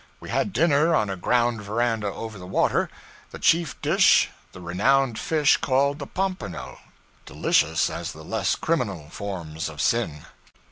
We had dinner on a ground veranda over the water the chief dish the renowned fish called the pompano, delicious as the less criminal forms of sin.